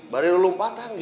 barir lompatan gitu